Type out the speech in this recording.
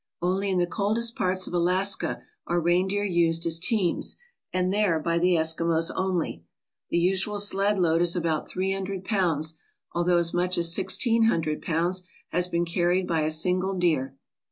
Only in the coldest parts of Alaska are reindeer used as teams, and there by the Eskimos only. The usual sled load is about three hundred pounds, although as much as sixteen hundred pounds has been carried by a single deer.